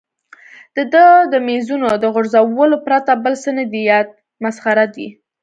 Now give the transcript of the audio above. د ده د مېزونو د غورځولو پرته بل څه نه دي یاد، مسخره دی.